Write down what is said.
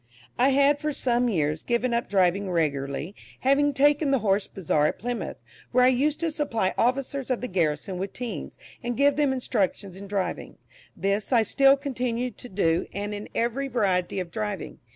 I had for some years given up driving regularly, having taken the Horse Bazaar at Plymouth, where I used to supply officers of the garrison with teams, and give them instructions in driving; this I still continue to do, and in every variety of driving.